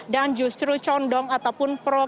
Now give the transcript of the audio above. dan justru condong ataupun pro